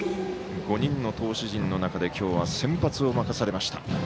５人の投手陣の中で今日は先発を任されました。